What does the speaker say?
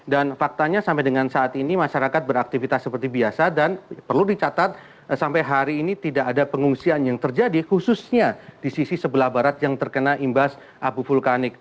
faktanya sampai dengan saat ini masyarakat beraktivitas seperti biasa dan perlu dicatat sampai hari ini tidak ada pengungsian yang terjadi khususnya di sisi sebelah barat yang terkena imbas abu vulkanik